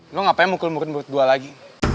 lu ngapain mukul mukul buat gue lagi